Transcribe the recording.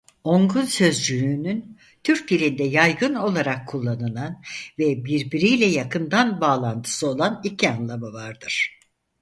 Ongun sözcüğünün Türk dilinde yaygın olarak kullanılan ve birbiriyle yakından bağlantısı olan iki anlamı vardır.